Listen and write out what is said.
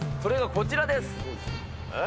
こちらです。